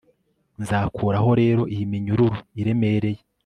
nzakuraho rero iyi minyururu iremereye